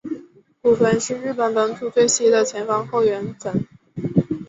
古坟是日本本土最西的前方后圆坟。